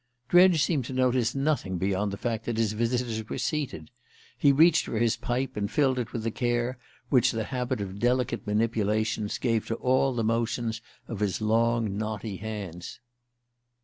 Dredge seemed to notice nothing beyond the fact that his visitors were seated. He reached for his pipe, and filled it with the care which the habit of delicate manipulations gave to all the motions of his long, knotty hands.